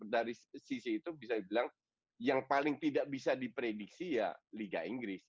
dari sisi itu bisa dibilang yang paling tidak bisa diprediksi ya liga inggris